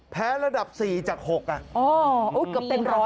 แพ้ระดับ๔จาก๖อ่ะ